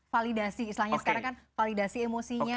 validasi istilahnya sekarang kan validasi emosinya